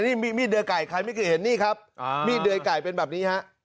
นี่มีดเดือไก่ใครไม่เคยเห็นนี่ครับมีดเดือยไก่เป็นแบบนี้ฮะ